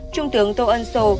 trung tướng tô ân sô